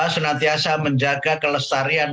senantiasa menjaga kelestarian